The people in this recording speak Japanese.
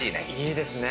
いいですね。